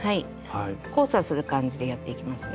交差する感じでやっていきますね。